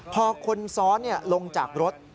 พอคนซ้อนลงจากรถ